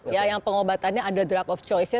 ya yang pengobatannya ada drug of choice nya